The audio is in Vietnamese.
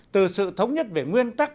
từ sự thống nhất về nguyên tắc